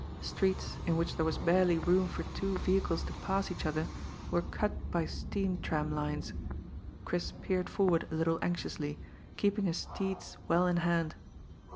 Streets, in which there was barely room for two vehicles to pass each other, were cut by steam tram lines. Chris peered forward a little anxiously, keeping his steeds well in hand.